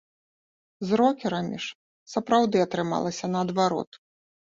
З рокерамі ж сапраўды атрымалася наадварот.